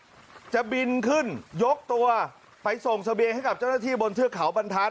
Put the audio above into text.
แล้วช่วงเรือคยนสี่กลุ่มซึ่งยกตัวไปส่งเสเบียงให้กลับเจ้าหน้าที่บนเทือกขาวบันทัศน์